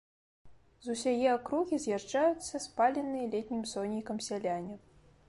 З усяе акругі з'язджаюцца спаленыя летнім сонейкам сяляне.